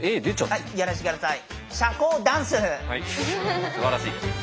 はいすばらしい。